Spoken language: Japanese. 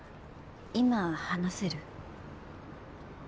今話せる？